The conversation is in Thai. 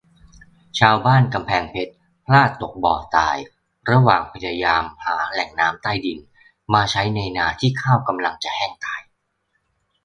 ชาวบ้านกำแพงเพชร พลาดตกบ่อตาย ระหว่างพยายามหาแหล่งน้ำใต้ดิน มาใช้ในนาที่ข้าวกำลังจะแห้งตาย